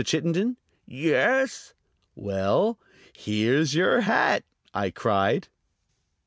Chittenden?" "Yes." "Well, here's your hat!" I cried.